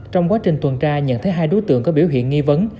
trong quá trình tuần tra nhận thấy hai đối tượng có biểu hiện nghi vấn